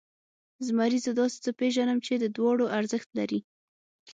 زمري، زه داسې څه پېژنم چې د دواړو ارزښت لري.